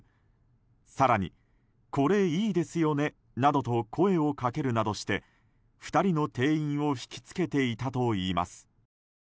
更に、これいいですよねなどと声をかけるなどして２人の店員を引き付けていたといいます。